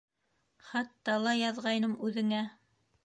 Хатта ла яҙғайным үҙеңә.